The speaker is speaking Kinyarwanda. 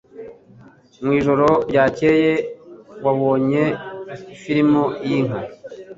Mwijoro ryakeye wabonye firime yinka?